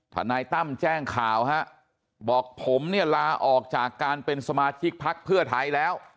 ทนายตั้มแจ้งข่าวฮะบอกผมเนี่ยลาออกจากการเป็นสมาชิกพักเพื่อไทยแล้ว